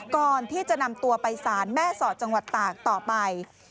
ก่อนที่จะนำตัวไปสารแม่สอดจังหวัดตากต่อไป